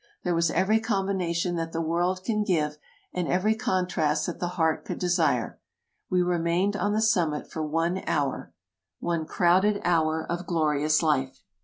There was every combination that the world can give, and every contrast that the heart could desire. We remained on the summit for one hour — One crowded hour of glorious life.